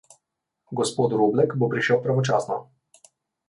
Gospod Roblek bo prišel pravočasno.